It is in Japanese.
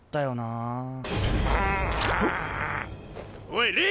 おい！